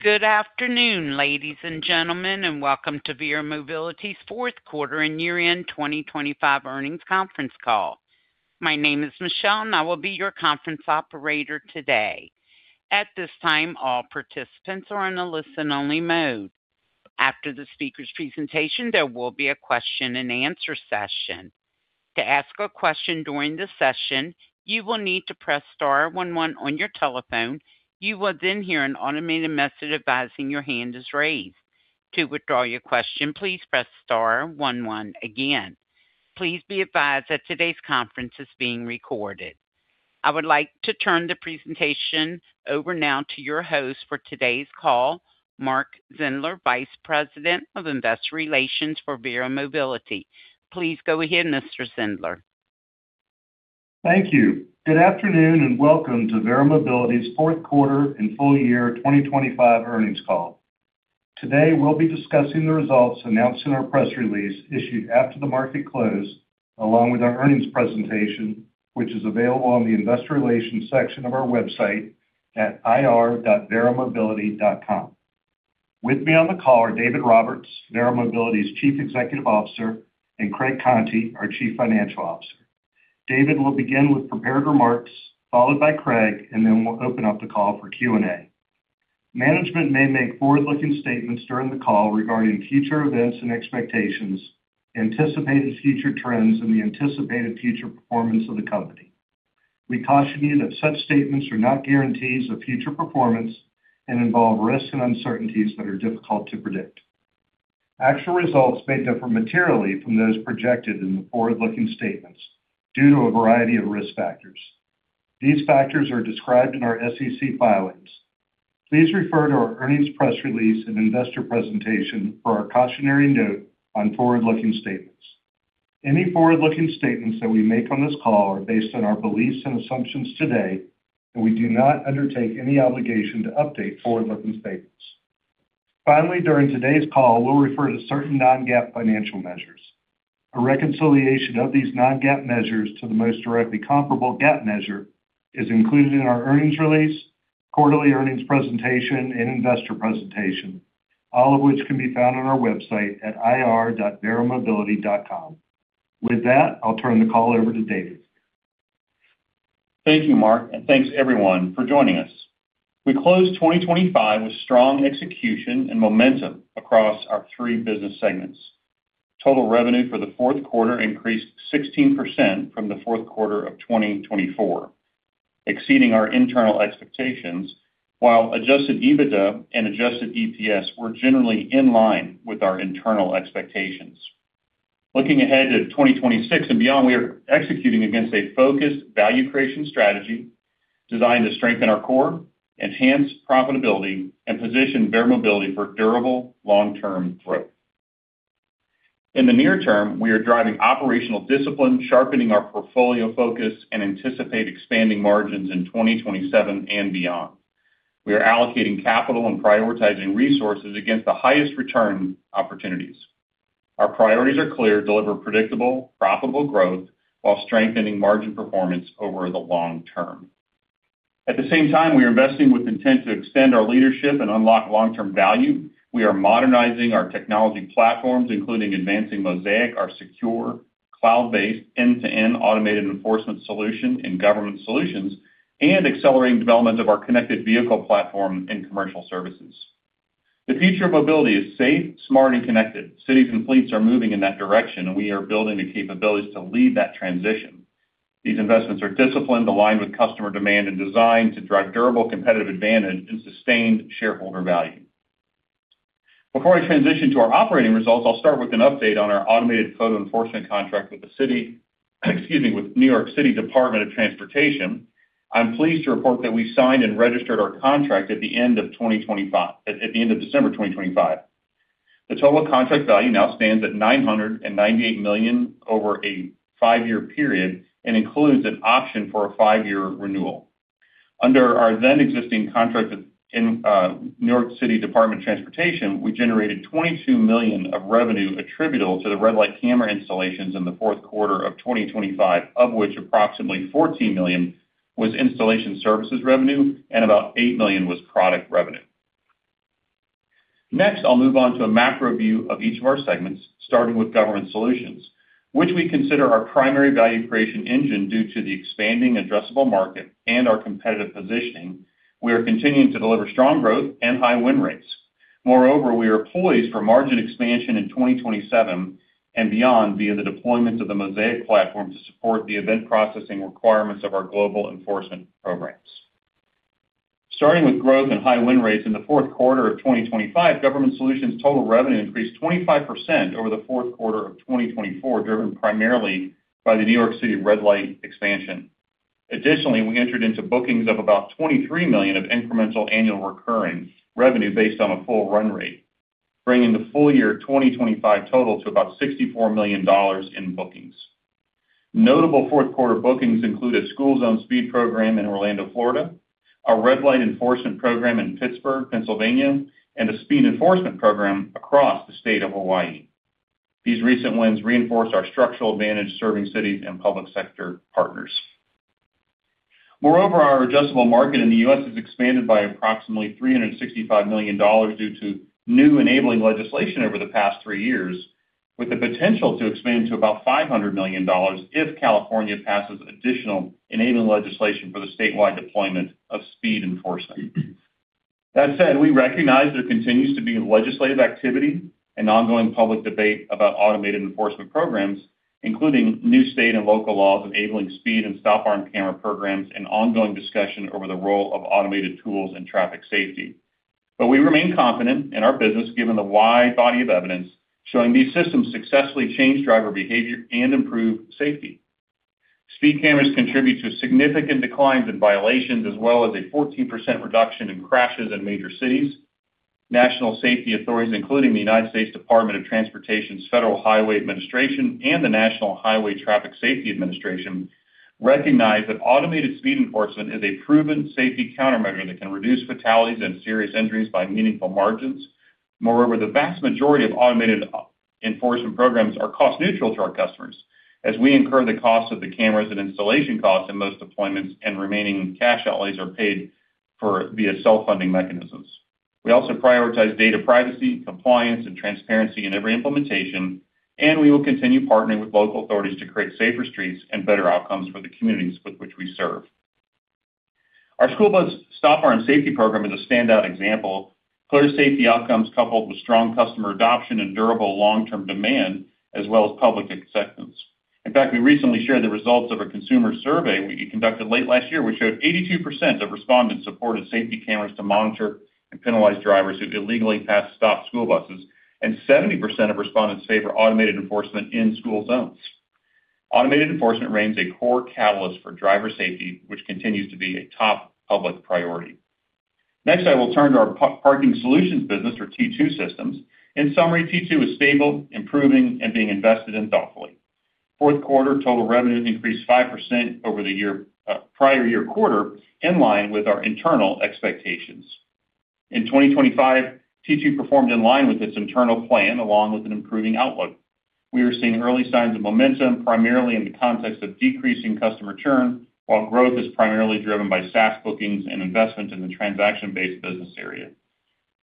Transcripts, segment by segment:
Good afternoon, ladies and gentlemen, and welcome to Verra Mobility's fourth quarter and year-end 2025 earnings conference call. My name is Michelle. I will be your conference operator today. At this time, all participants are in a listen-only mode. After the speaker's presentation, there will be a question-and-answer session. To ask a question during the session, you will need to press star 11 on your telephone. You will hear an automated message advising your hand is raised. To withdraw your question, please press star one one again. Please be advised that today's conference is being recorded. I would like to turn the presentation over now to your host for today's call, Mark Zindler, Vice President of Investor Relations for Verra Mobility. Please go ahead, Mr. Zindler. Thank you. Good afternoon, and welcome to Verra Mobility's fourth quarter and full year 2025 earnings call. Today, we'll be discussing the results announced in our press release, issued after the market closed, along with our earnings presentation, which is available on the investor relations section of our website at ir.verramobility.com. With me on the call are David Roberts, Verra Mobility's Chief Executive Officer, and Craig Conti, our Chief Financial Officer. David will begin with prepared remarks, followed by Craig, and then we'll open up the call for Q&A. Management may make forward-looking statements during the call regarding future events and expectations, anticipated future trends, and the anticipated future performance of the company. We caution you that such statements are not guarantees of future performance and involve risks and uncertainties that are difficult to predict. Actual results may differ materially from those projected in the forward-looking statements due to a variety of risk factors. These factors are described in our SEC filings. Please refer to our earnings press release and investor presentation for our cautionary note on forward-looking statements. Any forward-looking statements that we make on this call are based on our beliefs and assumptions today, and we do not undertake any obligation to update forward-looking statements. Finally, during today's call, we'll refer to certain non-GAAP financial measures. A reconciliation of these non-GAAP measures to the most directly comparable GAAP measure is included in our earnings release, quarterly earnings presentation, and investor presentation, all of which can be found on our website at ir.verramobility.com. With that, I'll turn the call over to David. Thank you, Mark. Thanks everyone for joining us. We closed 2025 with strong execution and momentum across our three business segments. Total revenue for the fourth quarter increased 16% from the fourth quarter of 2024, exceeding our internal expectations, while adjusted EBITDA and adjusted EPS were generally in line with our internal expectations. Looking ahead to 2026 and beyond, we are executing against a focused value creation strategy designed to strengthen our core, enhance profitability, and position Verra Mobility for durable long-term growth. In the near term, we are driving operational discipline, sharpening our portfolio focus, and anticipate expanding margins in 2027 and beyond. We are allocating capital and prioritizing resources against the highest return opportunities. Our priorities are clear: deliver predictable, profitable growth while strengthening margin performance over the long term. At the same time, we are investing with intent to extend our leadership and unlock long-term value. We are modernizing our technology platforms, including advancing Mosaic, our secure, cloud-based, end-to-end automated enforcement solution in Government Solutions, and accelerating development of our connected vehicle platform in Commercial Services. The future of mobility is safe, smart, and connected. Cities and fleets are moving in that direction, and we are building the capabilities to lead that transition. These investments are disciplined, aligned with customer demand, and designed to drive durable competitive advantage and sustained shareholder value. Before I transition to our operating results, I'll start with an update on our automated photo enforcement contract with the city, excuse me, with New York City Department of Transportation. I'm pleased to report that we signed and registered our contract at the end of December 2025. The total contract value now stands at $998 million over a five-year period and includes an option for a five-year renewal. Under our then existing contract with New York City Department of Transportation, we generated $22 million of revenue attributable to the red light camera installations in the fourth quarter of 2025, of which approximately $14 million was installation services revenue and about $8 million was product revenue. I'll move on to a macro view of each of our segments, starting with Government Solutions, which we consider our primary value creation engine due to the expanding addressable market and our competitive positioning. We are continuing to deliver strong growth and high win rates. We are poised for margin expansion in 2027 and beyond via the deployment of the Mosaic platform to support the event processing requirements of our global enforcement programs. Starting with growth and high win rates in the fourth quarter of 2025, Government Solutions total revenue increased 25% over the fourth quarter of 2024, driven primarily by the New York City red light expansion. Additionally, we entered into bookings of about $23 million of incremental ARR based on a full run rate, bringing the full year 2025 total to about $64 million in bookings. Notable fourth quarter bookings include a school zone speed program in Orlando, Florida, a red light enforcement program in Pittsburgh, Pennsylvania, and a speed enforcement program across the state of Hawaii. These recent wins reinforce our structural advantage serving cities and public sector partners. Moreover, our adjustable market in the U.S. has expanded by approximately $365 million due to new enabling legislation over the past three years, with the potential to expand to about $500 million if California passes additional enabling legislation for the statewide deployment of speed enforcement. That said, we recognize there continues to be legislative activity and ongoing public debate about automated enforcement programs, including new state and local laws enabling speed and stop arm camera programs, and ongoing discussion over the role of automated tools in traffic safety. We remain confident in our business, given the wide body of evidence showing these systems successfully change driver behavior and improve safety. Speed cameras contribute to significant declines in violations, as well as a 14% reduction in crashes in major cities. National safety authorities, including the United States Department of Transportation, Federal Highway Administration, and the National Highway Traffic Safety Administration, recognize that automated speed enforcement is a proven safety countermeasure that can reduce fatalities and serious injuries by meaningful margins. Moreover, the vast majority of automated enforcement programs are cost-neutral to our customers, as we incur the cost of the cameras and installation costs in most deployments, and remaining cash outlays are paid for via self-funding mechanisms. We also prioritize data privacy, compliance, and transparency in every implementation, and we will continue partnering with local authorities to create safer streets and better outcomes for the communities with which we serve. Our School Bus Stop Arm Safety program is a standout example. Clear safety outcomes, coupled with strong customer adoption and durable long-term demand, as well as public acceptance. In fact, we recently shared the results of a consumer survey we conducted late last year, which showed 82% of respondents supported safety cameras to monitor and penalize drivers who illegally pass stopped school buses, and 70% of respondents favor automated enforcement in school zones. Automated enforcement remains a core catalyst for driver safety, which continues to be a top public priority. Next, I will turn to our Parking Solutions business, or T2 Systems. In summary, T2 is stable, improving, and being invested in thoughtfully. Fourth quarter total revenue increased 5% over the prior year quarter, in line with our internal expectations. In 2025, T2 performed in line with its internal plan, along with an improving outlook. We are seeing early signs of momentum, primarily in the context of decreasing customer churn, while growth is primarily driven by SaaS bookings and investment in the transaction-based business area.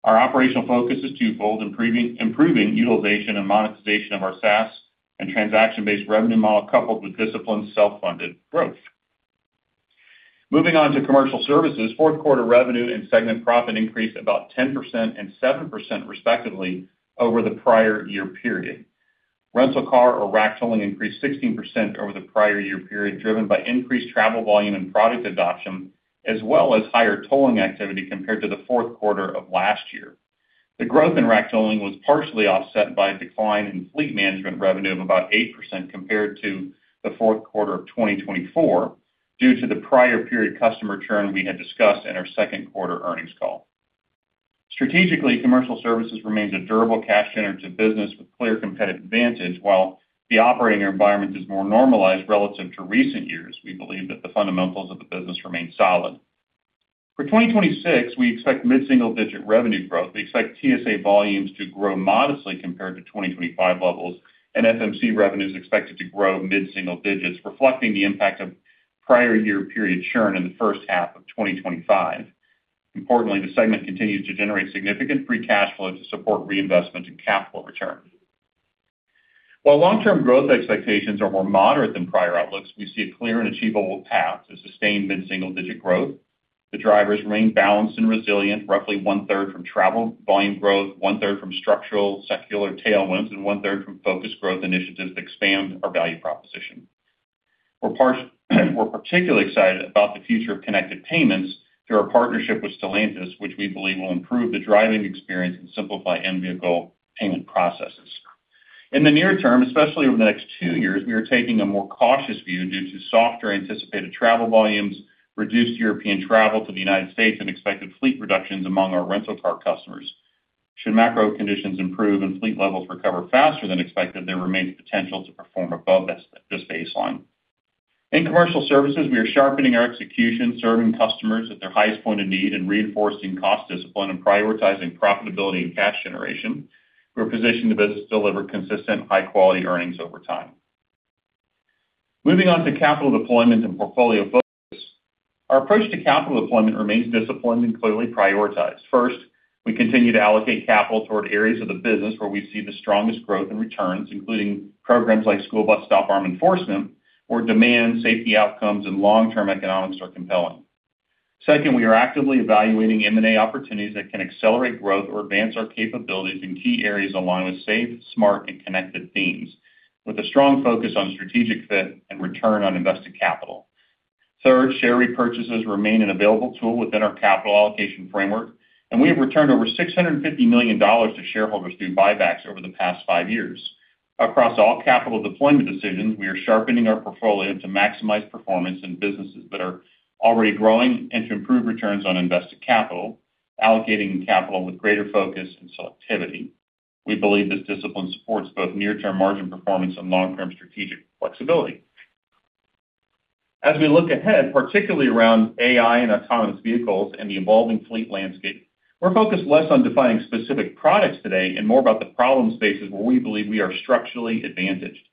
Our operational focus is twofold: improving utilization and monetization of our SaaS and transaction-based revenue model, coupled with disciplined, self-funded growth. Moving on to Commercial Services, fourth quarter revenue and segment profit increased about 10% and 7%, respectively, over the prior year period. Rental car or RAC tolling increased 16% over the prior year period, driven by increased travel volume and product adoption, as well as higher tolling activity compared to the fourth quarter of last year. The growth in RAC tolling was partially offset by a decline in fleet management revenue of about 8% compared to the fourth quarter of 2024, due to the prior period customer churn we had discussed in our second quarter earnings call. Strategically, Commercial Services remains a durable cash generative business with clear competitive advantage. While the operating environment is more normalized relative to recent years, we believe that the fundamentals of the business remain solid. For 2026, we expect mid-single-digit revenue growth. We expect TSA volumes to grow modestly compared to 2025 levels, and FMC revenue is expected to grow mid-single digits, reflecting the impact of prior year period churn in the first half of 2025. Importantly, the segment continues to generate significant free cash flow to support reinvestment and capital return. While long-term growth expectations are more moderate than prior outlooks, we see a clear and achievable path to sustained mid-single-digit growth. The drivers remain balanced and resilient, roughly one-third from travel volume growth, one-third from structural secular tailwinds, and one-third from focused growth initiatives that expand our value proposition. We're particularly excited about the future of connected payments through our partnership with Stellantis, which we believe will improve the driving experience and simplify in-vehicle payment processes. In the near term, especially over the next two years, we are taking a more cautious view due to softer anticipated travel volumes, reduced European travel to the United States, and expected fleet reductions among our rental car customers. Should macro conditions improve and fleet levels recover faster than expected, there remains potential to perform above this baseline. In Commercial Services, we are sharpening our execution, serving customers at their highest point of need, and reinforcing cost discipline and prioritizing profitability and cash generation. We're positioned to best deliver consistent, high-quality earnings over time. Moving on to capital deployment and portfolio focus. Our approach to capital deployment remains disciplined and clearly prioritized. First, we continue to allocate capital toward areas of the business where we see the strongest growth in returns, including programs like School Bus Stop Arm Enforcement, where demand, safety outcomes, and long-term economics are compelling. Second, we are actively evaluating M&A opportunities that can accelerate growth or advance our capabilities in key areas, along with safe, smart, and connected themes, with a strong focus on strategic fit and return on invested capital Third, share repurchases remain an available tool within our capital allocation framework, and we have returned over $650 million to shareholders through buybacks over the past five years. Across all capital deployment decisions, we are sharpening our portfolio to maximize performance in businesses that are already growing and to improve returns on invested capital, allocating capital with greater focus and selectivity. We believe this discipline supports both near-term margin performance and long-term strategic flexibility. As we look ahead, particularly around AI and autonomous vehicles and the evolving fleet landscape. We're focused less on defining specific products today and more about the problem spaces where we believe we are structurally advantaged.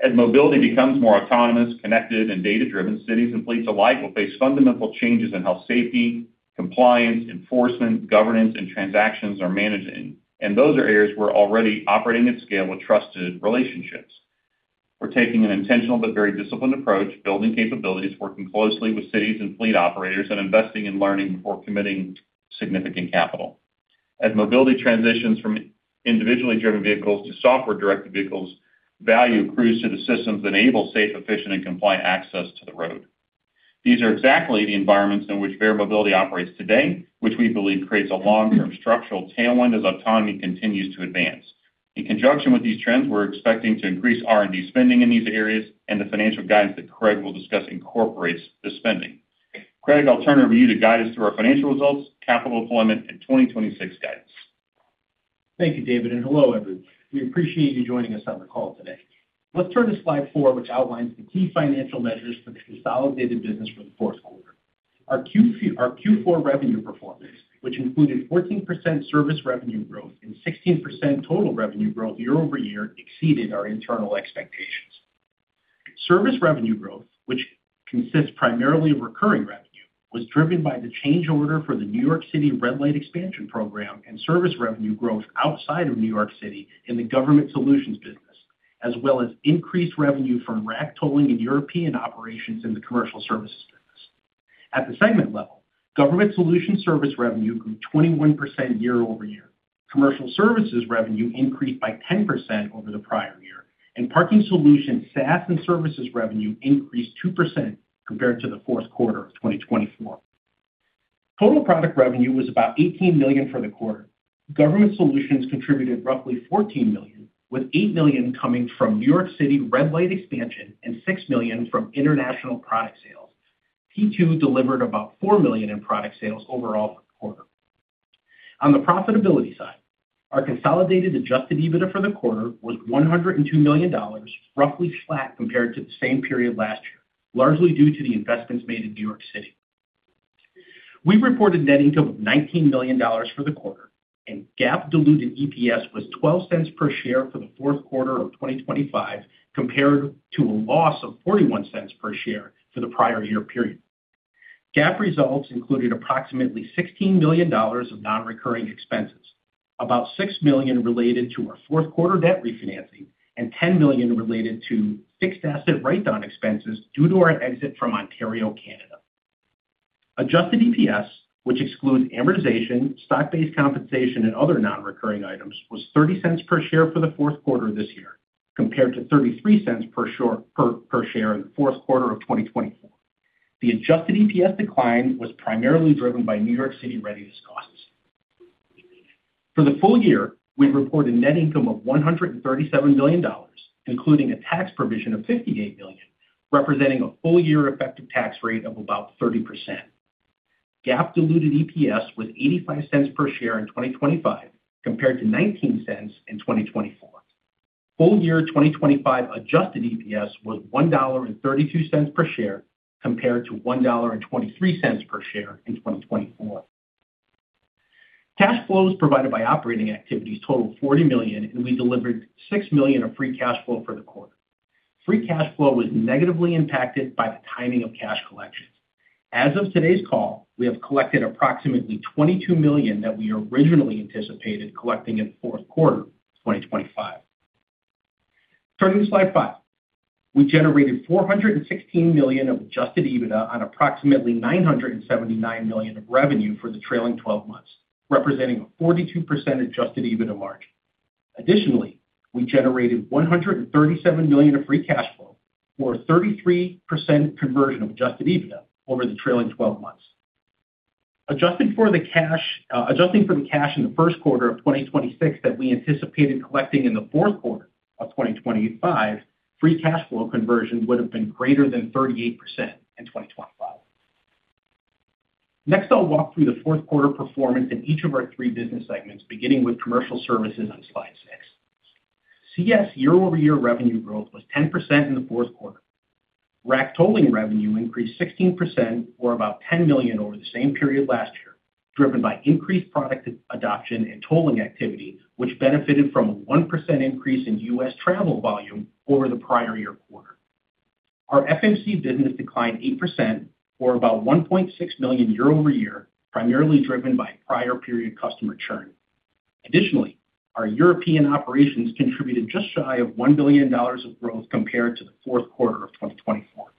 As mobility becomes more autonomous, connected, and data-driven, cities and fleets alike will face fundamental changes in how safety, compliance, enforcement, governance, and transactions are managing. Those are areas we're already operating at scale with trusted relationships. We're taking an intentional but very disciplined approach, building capabilities, working closely with cities and fleet operators, and investing in learning before committing significant capital. As mobility transitions from individually driven vehicles to software-directed vehicles, value accrues to the systems that enable safe, efficient, and compliant access to the road. These are exactly the environments in which Verra Mobility operates today, which we believe creates a long-term structural tailwind as autonomy continues to advance. In conjunction with these trends, we're expecting to increase R&D spending in these areas, and the financial guidance that Craig will discuss incorporates the spending. Craig, I'll turn it over to you to guide us through our financial results, capital deployment, and 2026 guidance Thank you, David, and hello, everyone. We appreciate you joining us on the call today. Let's turn to slide four, which outlines the key financial measures for the consolidated business for the fourth quarter. Our Q4 revenue performance, which included 14% service revenue growth and 16% total revenue growth year-over-year, exceeded our internal expectations. Service revenue growth, which consists primarily of recurring revenue, was driven by the change order for the New York City Red Light Expansion program and service revenue growth outside of New York City in the Government Solutions business, as well as increased revenue from RAC tolling and European operations in the Commercial Services business. At the segment level, Government Solutions service revenue grew 21% year-over-year. Commercial Services revenue increased by 10% over the prior year. Parking Solution, SaaS and services revenue increased 2% compared to the fourth quarter of 2024. Total product revenue was about $18 million for the quarter. Government Solutions contributed roughly $14 million, with $8 million coming from New York City red light expansion and $6 million from international product sales. T2 delivered about $4 million in product sales overall for the quarter. On the profitability side, our consolidated adjusted EBITDA for the quarter was $102 million, roughly flat compared to the same period last year, largely due to the investments made in New York City. We reported net income of $19 million for the quarter. GAAP diluted EPS was $0.12 per share for the fourth quarter of 2025, compared to a loss of $0.41 per share for the prior year period. GAAP results included approximately $16 million of non-recurring expenses, about $6 million related to our fourth quarter debt refinancing and $10 million related to fixed asset write-down expenses due to our exit from Ontario, Canada. Adjusted EPS, which excludes amortization, stock-based compensation, and other non-recurring items, was $0.30 per share for the fourth quarter of this year, compared to $0.33 per share in the fourth quarter of 2024. The adjusted EPS decline was primarily driven by New York City readiness costs. For the full year, we've reported net income of $137 billion, including a tax provision of $58 billion, representing a full year effective tax rate of about 30%. GAAP diluted EPS was $0.85 per share in 2025, compared to $0.19 in 2024. Full year 2025 adjusted EPS was $1.32 per share, compared to $1.23 per share in 2024. Cash flows provided by operating activities totaled $40 million, and we delivered $6 million of free cash flow for the quarter. Free cash flow was negatively impacted by the timing of cash collections. As of today's call, we have collected approximately $22 million that we originally anticipated collecting in fourth quarter 2025. Turning to slide 5. We generated $416 million of adjusted EBITDA on approximately $979 million of revenue for the trailing 12 months, representing a 42% adjusted EBITDA margin. Additionally, we generated $137 million of free cash flow, or a 33% conversion of adjusted EBITDA over the trailing 12 months. Adjusted for the cash, adjusting for the cash in the first quarter of 2026 that we anticipated collecting in the fourth quarter of 2025, free cash flow conversion would have been greater than 38% in 2025. Next, I'll walk through the fourth quarter performance in each of our three business segments, beginning with Commercial Services on slide six. CS year-over-year revenue growth was 10% in the fourth quarter. RAC tolling revenue increased 16%, or about $10 million, over the same period last year, driven by increased product adoption and tolling activity, which benefited from a 1% increase in U.S. travel volume over the prior year quarter. Our FMC business declined 8%, or about $1.6 million year-over-year, primarily driven by prior period customer churn. Our European operations contributed just shy of $1 billion of growth compared to the fourth quarter of 2024.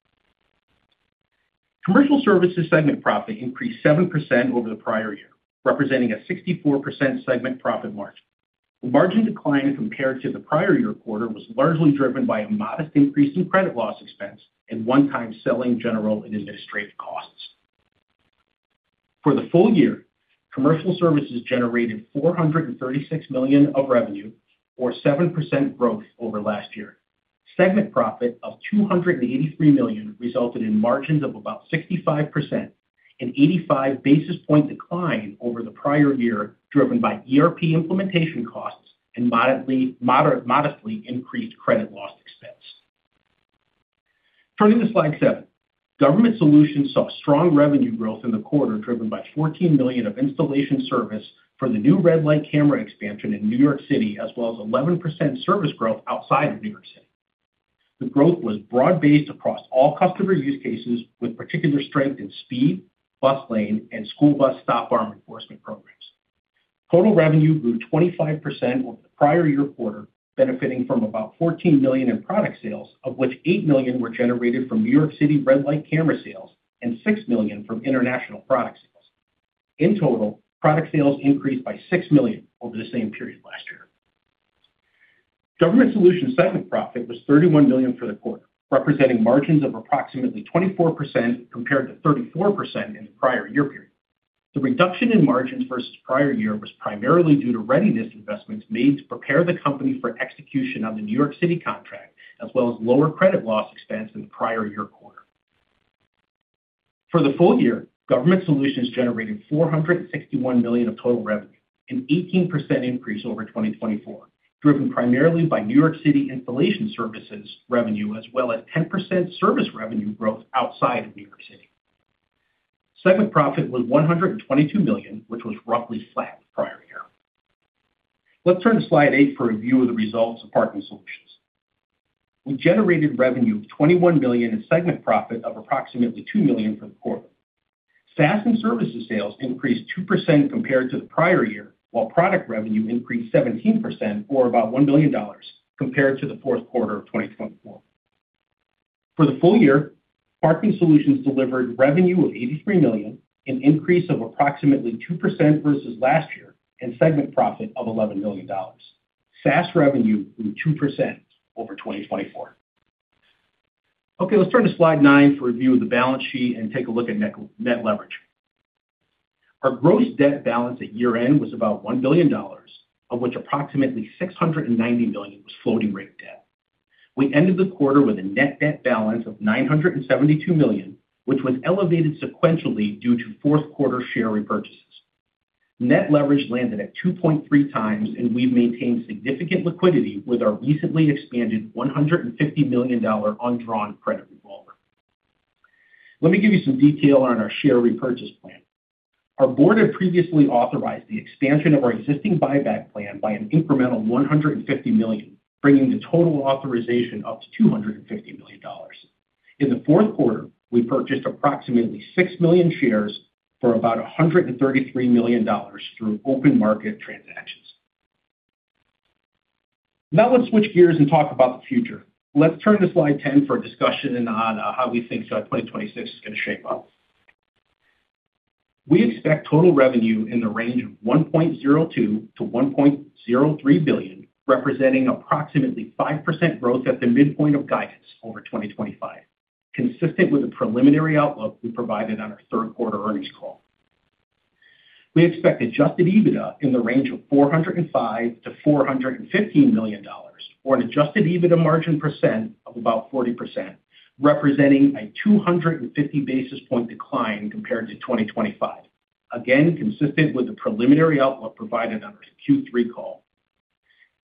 Commercial Services segment profit increased 7% over the prior year, representing a 64% segment profit margin. The margin decline compared to the prior year quarter was largely driven by a modest increase in credit loss expense and one-time selling general and administrative costs. For the full year, Commercial Services generated $436 million of revenue, or 7% growth over last year. Segment profit of $283 million resulted in margins of about 65%, an 85 basis point decline over the prior year, driven by ERP implementation costs and modestly increased credit loss expense. Turning to Slide seven. Government Solutions saw strong revenue growth in the quarter, driven by $14 million of installation service for the new red light camera expansion in New York City, as well as 11% service growth outside of New York City. The growth was broad-based across all customer use cases, with particular strength in speed, bus lane, and school bus stop arm enforcement programs. Total revenue grew 25% over the prior year quarter, benefiting from about $14 million in product sales, of which $8 million were generated from New York City red light camera sales and $6 million from international product sales. In total, product sales increased by $6 million over the same period last year. Government Solutions segment profit was $31 million for the quarter, representing margins of approximately 24% compared to 34% in the prior year period. The reduction in margins versus prior year was primarily due to readiness investments made to prepare the company for execution on the New York City contract, as well as lower credit loss expense in the prior year quarter. For the full year, Government Solutions generated $461 million of total revenue, an 18% increase over 2024, driven primarily by New York City installation services revenue, as well as 10% service revenue growth outside of New York City. Segment profit was $122 million, which was roughly flat with prior year. Let's turn to Slide 8 for a view of the results of Parking Solutions. We generated revenue of $21 million and segment profit of approximately $2 million for the quarter. SaaS and services sales increased 2% compared to the prior year, while product revenue increased 17%, or about $1 billion, compared to the fourth quarter of 2024. For the full year, Parking Solutions delivered revenue of $83 million, an increase of approximately 2% versus last year, and segment profit of $11 million. SaaS revenue grew 2% over 2024. Okay, let's turn to Slide nine for a view of the balance sheet and take a look at net leverage. Our gross debt balance at year-end was about $1 billion, of which approximately $690 million was floating rate debt. We ended the quarter with a net debt balance of $972 million, which was elevated sequentially due to fourth quarter share repurchases. Net leverage landed at 2.3x, we've maintained significant liquidity with our recently expanded $150 million undrawn credit revolver. Let me give you some detail on our share repurchase plan. Our board had previously authorized the expansion of our existing buyback plan by an incremental $150 million, bringing the total authorization up to $250 million. In the fourth quarter, we purchased approximately 6 million shares for about $133 million through open market transactions. Let's switch gears and talk about the future. Turn to Slide 10 for a discussion on how we think 2026 is going to shape up. We expect total revenue in the range of $1.02 billion-$1.03 billion, representing approximately 5% growth at the midpoint of guidance over 2025, consistent with the preliminary outlook we provided on our third quarter earnings call. We expect adjusted EBITDA in the range of $405 million-$415 million, or an adjusted EBITDA margin percent of about 40%, representing a 250 basis point decline compared to 2025, again, consistent with the preliminary outlook provided on our Q3 call.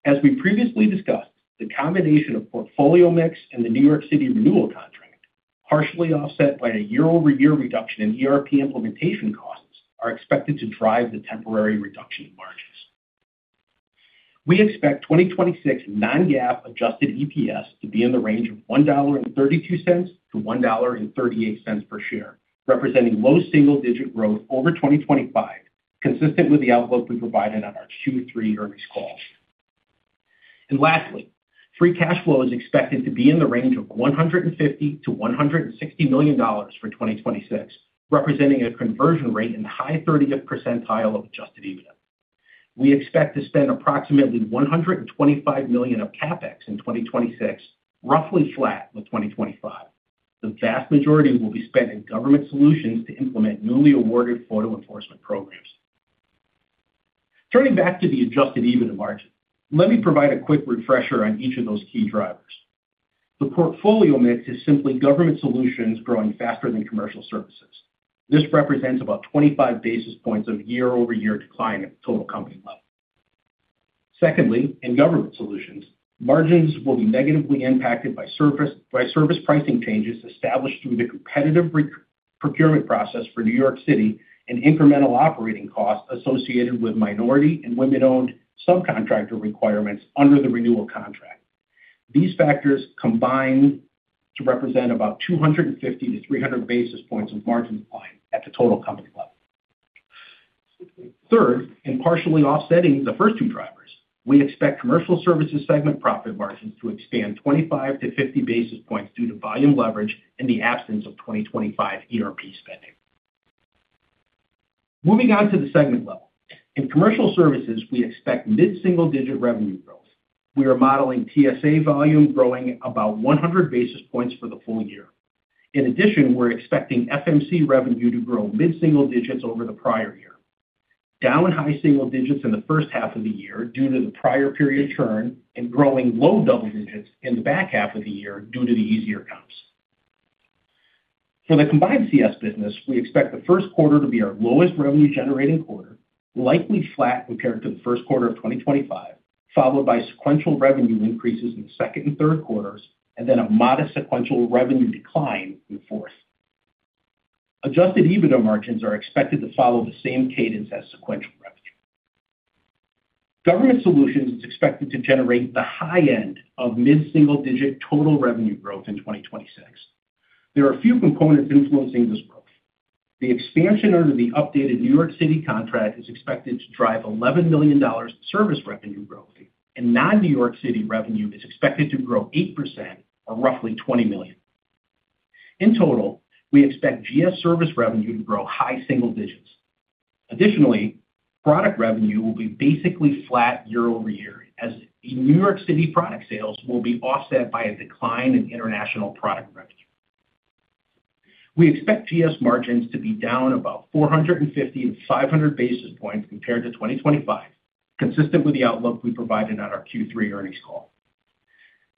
As we previously discussed, the combination of portfolio mix and the New York City renewal contract, partially offset by a year-over-year reduction in ERP implementation costs, are expected to drive the temporary reduction in margins. We expect 2026 non-GAAP adjusted EPS to be in the range of $1.32-$1.38 per share, representing low single-digit growth over 2025, consistent with the outlook we provided on our Q3 earnings call. Lastly, free cash flow is expected to be in the range of $150 million-$160 million for 2026, representing a conversion rate in the high thirtieth percentile of adjusted EBITDA. We expect to spend approximately $125 million of CapEx in 2026, roughly flat with 2025. The vast majority will be spent in Government Solutions to implement newly awarded photo enforcement programs. Turning back to the adjusted EBITDA margin, let me provide a quick refresher on each of those key drivers. The portfolio mix is simply Government Solutions growing faster than Commercial Services. This represents about 25 basis points of year-over-year decline at the total company level. Secondly, in Government Solutions, margins will be negatively impacted by service pricing changes established through the competitive re-procurement process for New York City and incremental operating costs associated with minority and women-owned subcontractor requirements under the renewal contract. These factors combine to represent about 250-300 basis points of margin decline at the total company level. Third, partially offsetting the first two drivers, we expect Commercial Services segment profit margins to expand 25-50 basis points due to volume leverage and the absence of 2025 ERP spending. Moving on to the segment level. In Commercial Services, we expect mid-single-digit revenue growth. We are modeling TSA volume growing about 100 basis points for the full year. We're expecting FMC revenue to grow mid-single digits over the prior year, down in high single digits in the first half of the year due to the prior period churn and growing low double digits in the back half of the year due to the easier comps. The combined CS business, we expect the first quarter to be our lowest revenue-generating quarter, likely flat compared to the first quarter of 2025, followed by sequential revenue increases in the second and third quarters, and then a modest sequential revenue decline in the fourth. Adjusted EBITDA margins are expected to follow the same cadence as sequential revenue. Government Solutions is expected to generate the high end of mid-single-digit total revenue growth in 2026. There are a few components influencing this growth. The expansion under the updated New York City contract is expected to drive $11 million service revenue growth. Non-New York City revenue is expected to grow 8% or roughly $20 million. In total, we expect GS service revenue to grow high single digits. Additionally, product revenue will be basically flat year-over-year, as New York City product sales will be offset by a decline in international product revenue. We expect GS margins to be down about 450-500 basis points compared to 2025, consistent with the outlook we provided on our Q3 earnings call.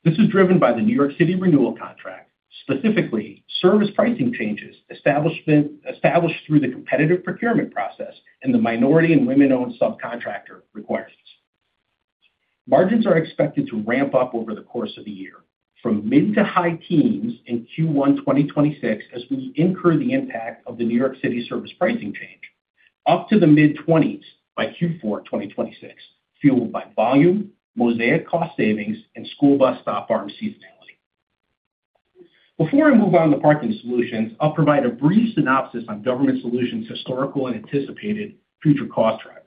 This is driven by the New York City renewal contract, specifically service pricing changes established through the competitive procurement process and the Minority and Women-Owned subcontractor requirements. Margins are expected to ramp up over the course of the year, from mid-to-high teens in Q1 2026, as we incur the impact of the New York City service pricing change, up to the mid-20s by Q4 2026, fueled by volume, Mosaic cost savings, and school bus stop arm RMC fidelity. Before I move on to Parking Solutions, I'll provide a brief synopsis on Government Solutions' historical and anticipated future cost drivers.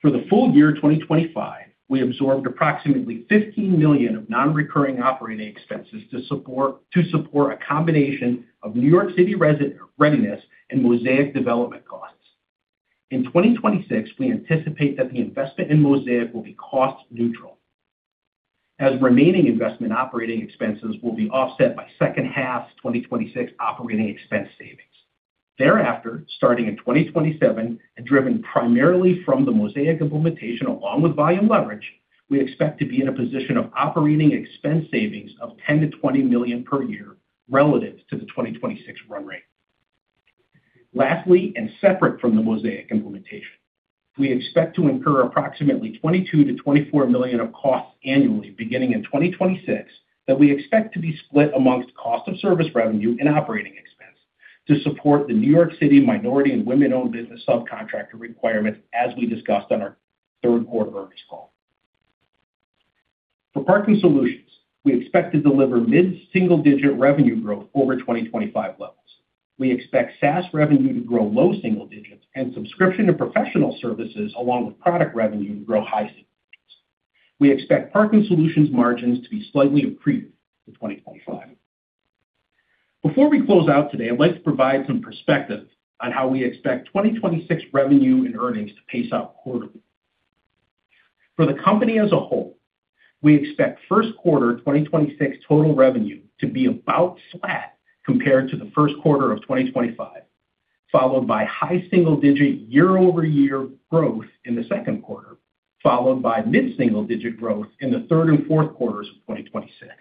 For the full year 2025, we absorbed approximately $15 million of nonrecurring operating expenses to support a combination of New York City readiness and Mosaic development costs. In 2026, we anticipate that the investment in Mosaic will be cost neutral, as remaining investment operating expenses will be offset by second half 2026 operating expense savings. Starting in 2027 and driven primarily from the Mosaic implementation along with volume leverage, we expect to be in a position of operating expense savings of $10 million-$20 million per year relative to the 2026 run rate. Separate from the Mosaic implementation, we expect to incur approximately $22 million-$24 million of costs annually beginning in 2026, that we expect to be split amongst cost of service revenue and operating expense to support the New York City Minority and Women-Owned Business subcontractor requirements, as we discussed on our third quarter earnings call. For Parking Solutions, we expect to deliver mid-single-digit revenue growth over 2025 levels. We expect SaaS revenue to grow low single digits and subscription to professional services, along with product revenue, to grow high single digits. We expect Parking Solutions margins to be slightly accretive to 2025. Before we close out today, I'd like to provide some perspective on how we expect 2026 revenue and earnings to pace out quarterly. For the company as a whole, we expect first quarter 2026 total revenue to be about flat compared to the first quarter of 2025, followed by high single-digit year-over-year growth in the second quarter, followed by mid-single-digit growth in the third and fourth quarters of 2026.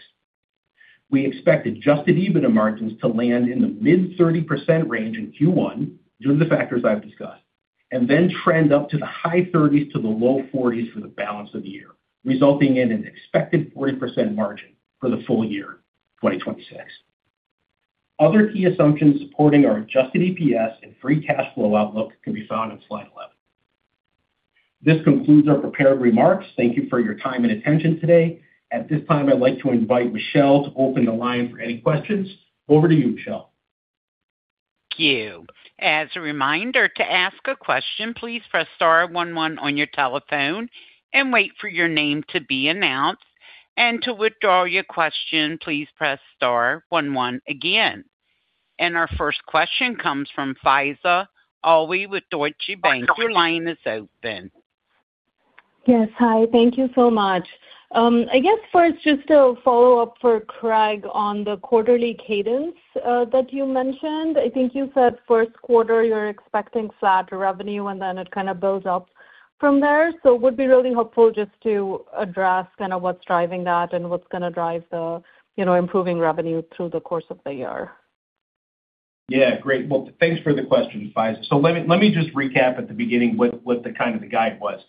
We expect adjusted EBITDA margins to land in the mid-30% range in Q1, due to the factors I've discussed, and then trend up to the high 30s to the low 40s for the balance of the year, resulting in an expected 40% margin for the full year 2026. Other key assumptions supporting our adjusted EPS and free cash flow outlook can be found on slide 11. This concludes our prepared remarks. Thank you for your time and attention today. At this time, I'd like to invite Michelle to open the line for any questions. Over to you, Michelle. Thank you. As a reminder, to ask a question, please press star one one on your telephone and wait for your name to be announced, and to withdraw your question, please press star one one again. Our first question comes from Faiza Alwy with Deutsche Bank. Your line is open. Yes. Hi, thank you so much. I guess first, just a follow-up for Craig on the quarterly cadence, that you mentioned. I think you said first quarter, you're expecting flat revenue, and then it kind of builds up from there. Would be really helpful just to address kind of what's driving that and what's going to drive the, you know, improving revenue through the course of the year. Yeah, great. Well, thanks for the question, Faiza. Let me just recap at the beginning what the kind of the guide was.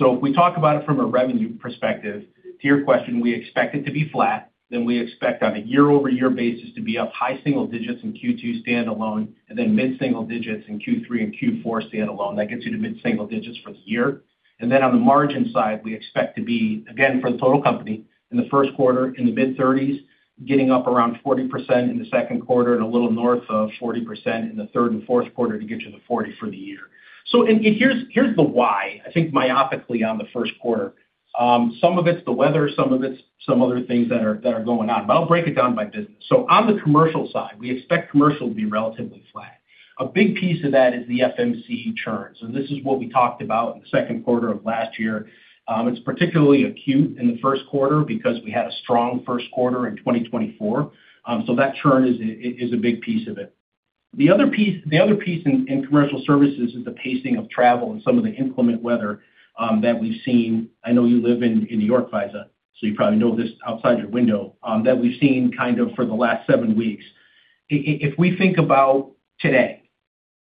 If we talk about it from a revenue perspective, to your question, we expect it to be flat, then we expect on a year-over-year basis to be up high single digits in Q2 standalone, and then mid-single digits in Q3 and Q4 standalone. That gets you to mid-single digits for the year. Then on the margin side, we expect to be, again, for the total company, in the first quarter, in the mid-30s, getting up around 40% in the second quarter and a little north of 40% in the third and fourth quarter to get you to the 40 for the year. And here's the why, I think myopically on the first quarter. Some of it's the weather, some of it's some other things that are going on. I'll break it down by business. On the Commercial Services side, we expect Commercial Services to be relatively flat. A big piece of that is the FMC churn. This is what we talked about in the second quarter of last year. It's particularly acute in the first quarter because we had a strong first quarter in 2024. That churn is a big piece of it. The other piece in Commercial Services is the pacing of travel and some of the inclement weather that we've seen. I know you live in New York, Faiza, you probably know this outside your window that we've seen kind of for the last seven weeks. If we think about today,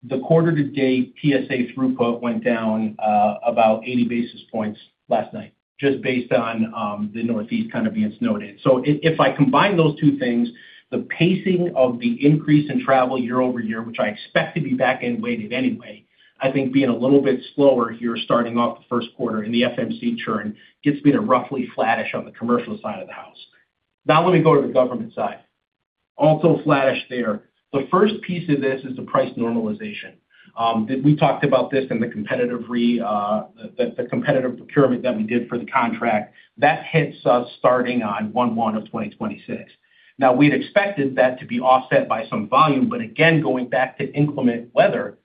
the quarter-to-date PSA throughput went down about 80 basis points last night, just based on the Northeast kind of being snowed in. If I combine those two things, the pacing of the increase in travel year-over-year, which I expect to be back-end weighted anyway, I think being a little bit slower here, starting off the first quarter in the FMC churn, gets me to roughly flattish on the Commercial side of the house. Now, let me go to the Government side. Also flattish there. The first piece of this is the price normalization. That we talked about this in the competitive procurement that we did for the contract. That hits us starting on 1/1/2026. We'd expected that to be offset by some volume, again, going back to inclement weather,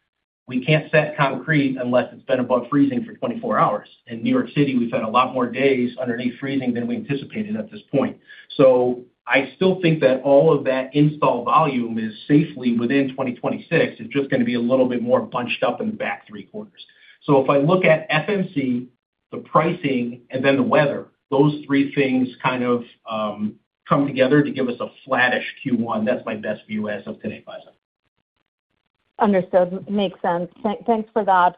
we can't set concrete unless it's been above freezing for 24 hours. In New York City, we've had a lot more days underneath freezing than we anticipated at this point. I still think that all of that install volume is safely within 2026. It's just gonna be a little bit more bunched up in the back three quarters. If I look at FMC, the pricing, and then the weather, those three things kind of come together to give us a flattish Q1. That's my best view as of today, Faiza. Understood. Makes sense. Thanks for that.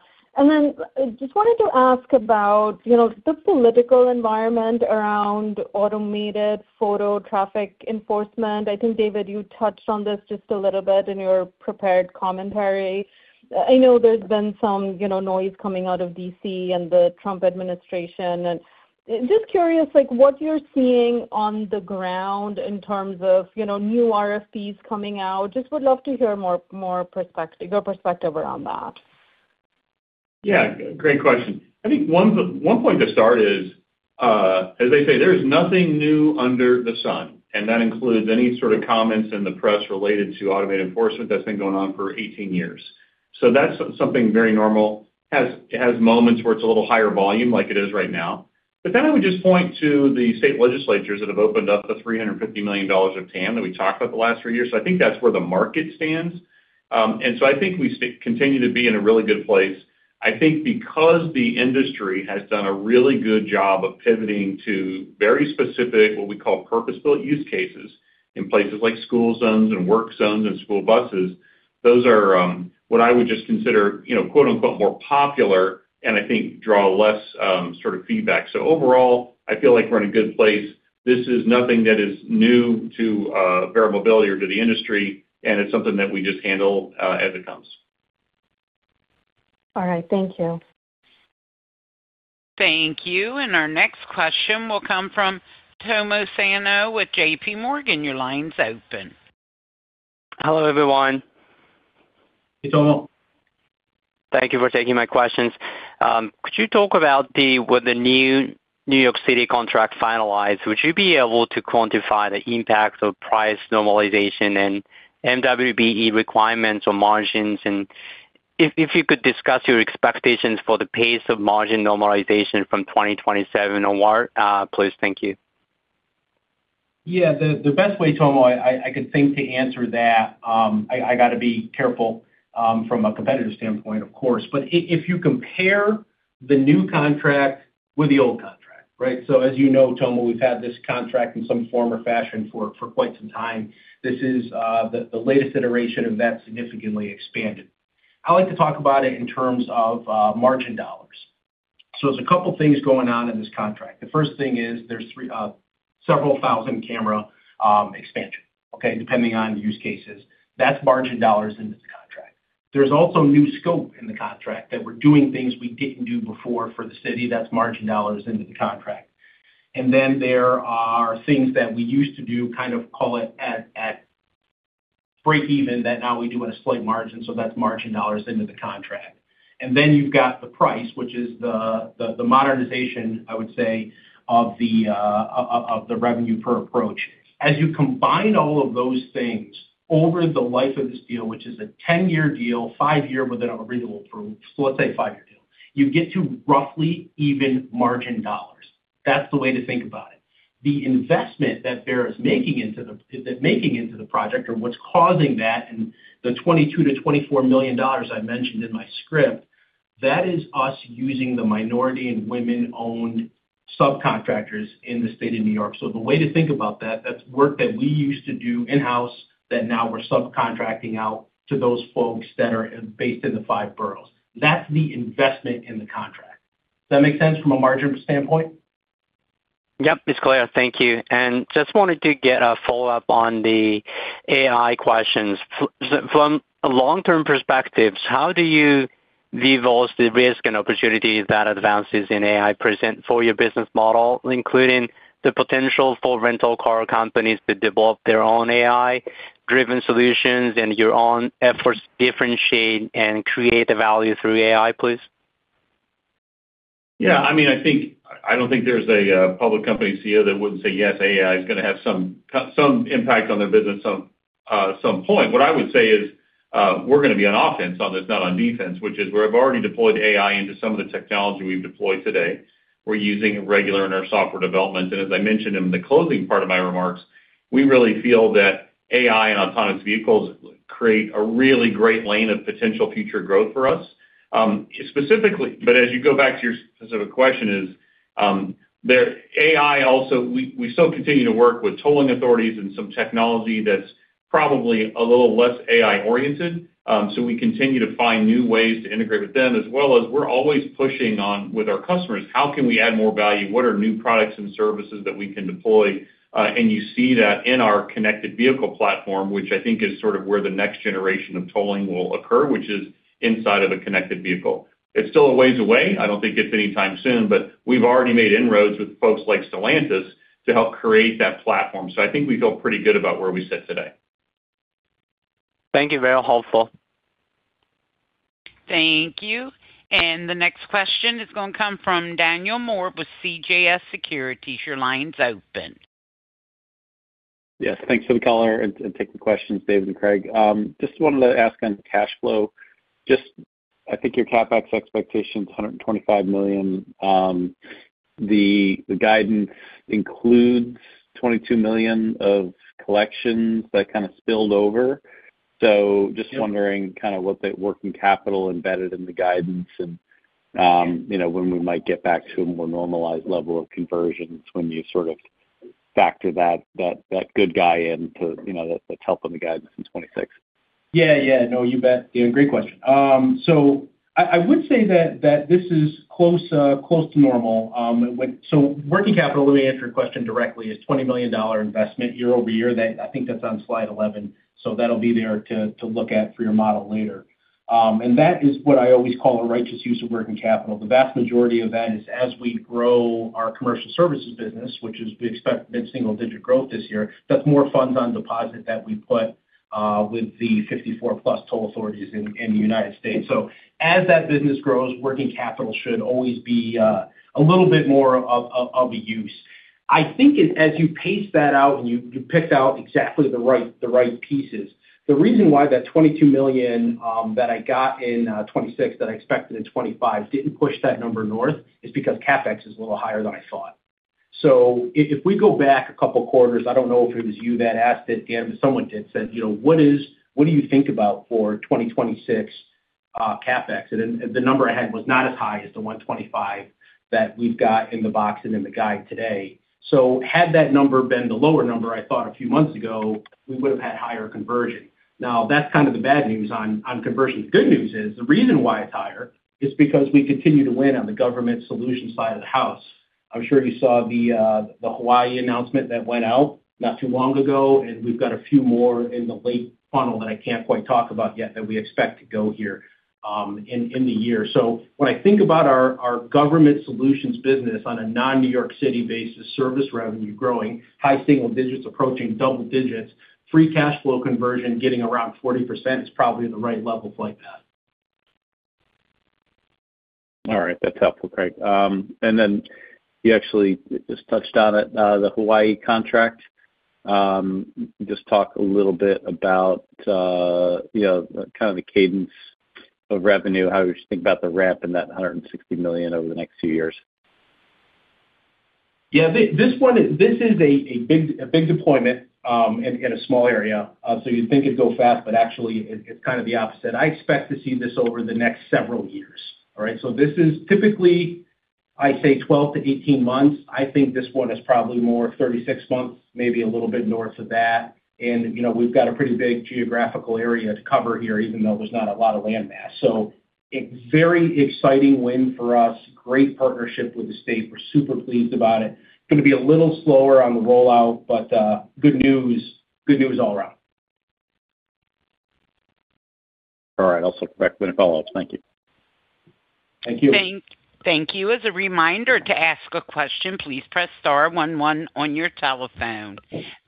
Just wanted to ask about, you know, the political environment around automated photo traffic enforcement. I think, David, you touched on this just a little bit in your prepared commentary. I know there's been some, you know, noise coming out of D.C. and the Trump administration. Just curious, like, what you're seeing on the ground in terms of, you know, new RFPs coming out. Just would love to hear more, more perspective, your perspective around that. Yeah, great question. I think one point to start is, as they say, there's nothing new under the sun, and that includes any sort of comments in the press related to automated enforcement that's been going on for 18 years. That's something very normal. It has moments where it's a little higher volume, like it is right now. I would just point to the state legislatures that have opened up the $350 million of TAM that we talked about the last few years. I think that's where the market stands. I think we continue to be in a really good place. I think because the industry has done a really good job of pivoting to very specific, what we call purpose-built use cases, in places like school zones and work zones and school buses, those are, what I would just consider, you know, quote, unquote, "more popular," and I think draw less, sort of feedback. Overall, I feel like we're in a good place. This is nothing that is new to Verra Mobility or to the industry, and it's something that we just handle as it comes. All right, thank you. Thank you. Our next question will come from Tomohiko Sano with JPMorgan. Your line's open. Hello, everyone. Hey, Tomo. Thank you for taking my questions. Could you talk about with the new New York City contract finalized, would you be able to quantify the impacts of price normalization and MWBE requirements on margins? If you could discuss your expectations for the pace of margin normalization from 2027 award, please. Thank you. Yeah, the best way, Tomo, I could think to answer that, I gotta be careful from a competitive standpoint, of course. If you compare the new contract with the old contract, right? As you know, Tomo, we've had this contract in some form or fashion for quite some time. This is the latest iteration, and that's significantly expanded. I like to talk about it in terms of margin dollars. There's a couple things going on in this contract. The first thing is there's three, several thousand camera expansion, okay? Depending on the use cases. That's margin dollars in this contract. There's also new scope in the contract, that we're doing things we didn't do before for the city. That's margin dollars into the contract. There are things that we used to do, kind of call it at break even, that now we do at a slight margin, so that's margin dollars into the contract. You've got the price, which is the modernization, I would say, of the revenue per approach. As you combine all of those things over the life of this deal, which is a 10-year deal, five-year with a renewable term, so let's say five-year deal, you get to roughly even margin dollars. That's the way to think about it. The investment that Verra is making into the project, or what's causing that, and the $22 million-$24 million I mentioned in my script, that is us using the Minority and Women-Owned subcontractors in the state of New York. The way to think about that's work that we used to do in-house, that now we're subcontracting out to those folks that are based in the five boroughs. That's the investment in the contract. Does that make sense from a margin standpoint? Yep, it's clear. Thank you. Just wanted to get a follow-up on the AI questions. From a long-term perspective, how do you evaluate the risk and opportunities that advances in AI present for your business model, including the potential for rental car companies to develop their own AI-driven solutions and your own efforts to differentiate and create the value through AI, please? I mean, I think, I don't think there's a public company CEO that wouldn't say, yes, AI is gonna have some impact on their business, so-... some point. What I would say is, we're gonna be on offense on this, not on defense, which is where we've already deployed AI into some of the technology we've deployed today. We're using it regular in our software development. As I mentioned in the closing part of my remarks, we really feel that AI and autonomous vehicles create a really great lane of potential future growth for us. Specifically, but as you go back to your specific question is, the AI also, we still continue to work with tolling authorities and some technology that's probably a little less AI-oriented. We continue to find new ways to integrate with them, as well as we're always pushing on with our customers, how can we add more value? What are new products and services that we can deploy? You see that in our connected vehicle platform, which I think is sort of where the next generation of tolling will occur, which is inside of a connected vehicle. It's still a ways away. I don't think it's anytime soon, but we've already made inroads with folks like Stellantis to help create that platform. I think we feel pretty good about where we sit today. Thank you. Very helpful. Thank you. The next question is gonna come from Daniel Moore with CJS Securities. Your line's open. Yes, thanks for the color and thanks for the questions, David and Craig. Just wanted to ask on cash flow. I think your CapEx expectation is $125 million. The guidance includes $22 million of collections that kind of spilled over. Yep... wondering kind of what that working capital embedded in the guidance and, you know, when we might get back to a more normalized level of conversions when you sort of factor that good guy in to, you know, that's helping the guidance in 2026. Yeah, yeah. No, you bet. Yeah, great question. I would say that this is close to normal. Working capital, let me answer your question directly, is $20 million investment year-over-year. That, I think that's on slide 11, that'll be there to look at for your model later. That is what I always call a righteous use of working capital. The vast majority of that is as we grow our Commercial Services business, which is, we expect mid-single digit growth this year, that's more funds on deposit that we put with the 54+ toll authorities in the United States. As that business grows, working capital should always be a little bit more of a use. I think as you pace that out and you picked out exactly the right, the right pieces, the reason why that $22 million that I got in 2026, that I expected in 2025, didn't push that number north, is because CapEx is a little higher than I thought. If we go back a couple quarters, I don't know if it was you that asked it, Dan, but someone did, said, "You know, what do you think about for 2026 CapEx?" The number I had was not as high as the $125 that we've got in the box and in the guide today. Had that number been the lower number I thought a few months ago, we would've had higher conversion. That's kind of the bad news on conversion. The good news is, the reason why it's higher is because we continue to win on the Government Solutions side of the house. I'm sure you saw the Hawaii announcement that went out not too long ago, and we've got a few more in the late funnel that I can't quite talk about yet, that we expect to go here in the year. When I think about our Government Solutions business on a non-New York City basis, service revenue growing, high single digits approaching double digits, free cash flow conversion getting around 40% is probably the right level to look at. All right. That's helpful, Craig. You actually just touched on it, the Hawaii contract. Just talk a little bit about, you know, kind of the cadence of revenue, how you think about the ramp in that $160 million over the next few years. Yeah, this is a big deployment in a small area. You'd think it'd go fast, but actually it's kind of the opposite. I expect to see this over the next several years. All right? This is typically, I'd say, 12-18 months. I think this one is probably more 36 months, maybe a little bit north of that. You know, we've got a pretty big geographical area to cover here, even though there's not a lot of landmass. It's very exciting win for us. Great partnership with the state. We're super pleased about it. It's gonna be a little slower on the rollout, but good news. Good news all around. All right. I'll stick back with the follow-ups. Thank you. Thank you. Thank you. As a reminder, to ask a question, please press star one one on your telephone.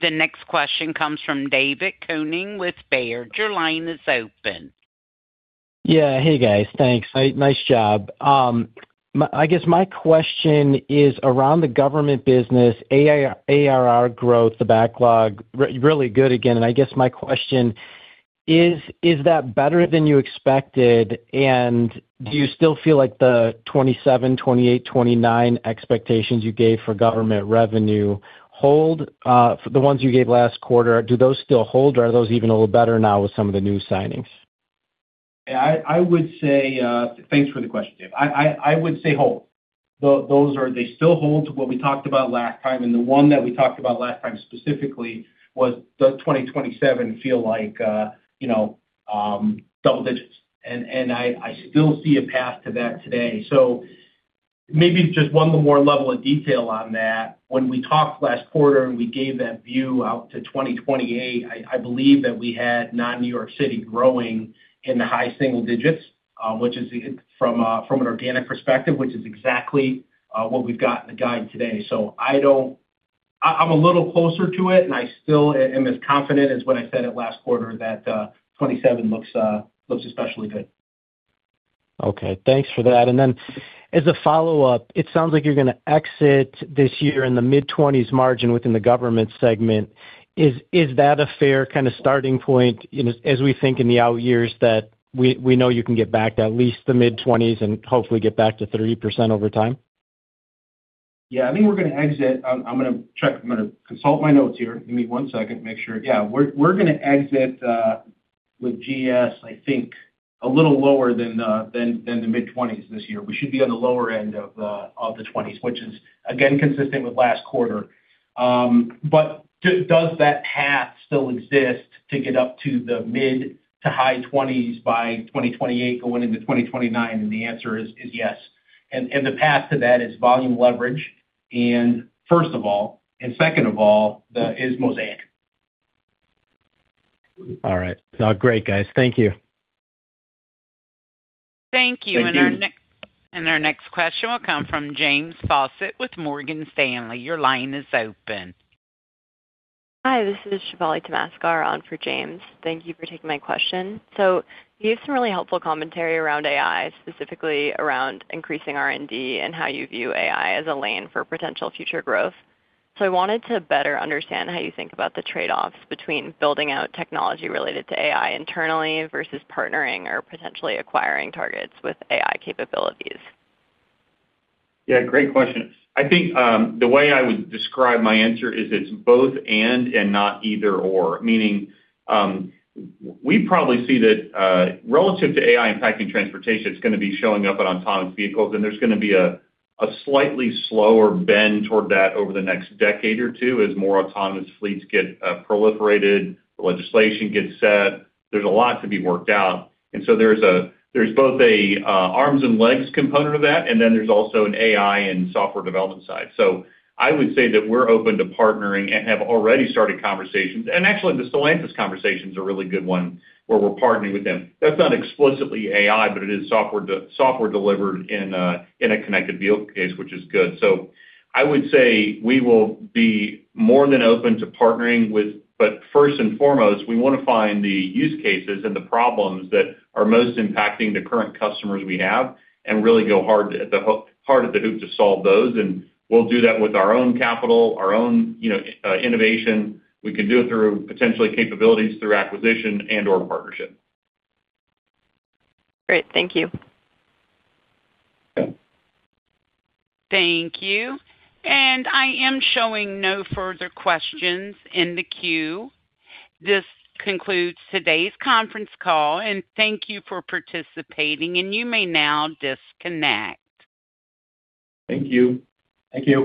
The next question comes from David Koning with Baird. Your line is open. Yeah. Hey, guys. Thanks. Nice job. I guess my question is around the government business, ARR growth, the backlog, really good again. I guess my question is that better than you expected? Do you still feel like the 2027, 2028, 2029 expectations you gave for government revenue hold, the ones you gave last quarter, do those still hold, or are those even a little better now with some of the new signings? Yeah, I would say. Thanks for the question, Dave. I would say hold. They still hold to what we talked about last time, and the one that we talked about last time specifically was does 2027 feel like, you know, double digits? I still see a path to that today. Maybe just one more level of detail on that. When we talked last quarter, and we gave that view out to 2028, I believe that we had non-New York City growing in the high single digits, which is from an organic perspective, which is exactly what we've got in the guide today. I'm a little closer to it, and I still am as confident as what I said at last quarter, that 2027 looks especially good. Okay, thanks for that. As a follow-up, it sounds like you're gonna exit this year in the mid-20s margin within the Government segment. Is that a fair kind of starting point, you know, as we think in the out years, that we know you can get back to at least the mid-20s and hopefully get back to 30% over time? Yeah, I think we're gonna exit. I'm gonna consult my notes here. Give me one second to make sure. Yeah, we're gonna exit with GS, I think, a little lower than the mid-20s this year. We should be on the lower end of the 20s, which is, again, consistent with last quarter. Does that path still exist to get up to the mid to high 20s by 2028, going into 2029? The answer is yes. The path to that is volume leverage, and first of all, and second of all, is Mosaic. All right. Sounds great, guys. Thank you. Thank you. Thank you. Our next question will come from James Faucette with Morgan Stanley. Your line is open. Hi, this is Shefali Tamaskar on for James. Thank you for taking my question. You gave some really helpful commentary around AI, specifically around increasing R&D and how you view AI as a lane for potential future growth. I wanted to better understand how you think about the trade-offs between building out technology related to AI internally versus partnering or potentially acquiring targets with AI capabilities. Yeah, great question. I think, the way I would describe my answer is it's both and not either/or. Meaning, we probably see that, relative to AI impacting transportation, it's gonna be showing up in autonomous vehicles, and there's gonna be a slightly slower bend toward that over the next decade or 2 as more autonomous fleets get proliferated, the legislation gets set. There's a lot to be worked out. There's both a arms and legs component of that, and then there's also an AI and software development side. I would say that we're open to partnering and have already started conversations. Actually, the Stellantis conversation is a really good one, where we're partnering with them. That's not explicitly AI, but it is software delivered in a connected vehicle case, which is good. I would say we will be more than open to partnering with... First and foremost, we wanna find the use cases and the problems that are most impacting the current customers we have and really go hard at the hard at the hoop to solve those. We'll do that with our own capital, our own, you know, innovation. We can do it through potentially capabilities, through acquisition and/or partnership. Great. Thank you. Yeah. Thank you. I am showing no further questions in the queue. This concludes today's conference call, and thank you for participating, and you may now disconnect. Thank you. Thank you.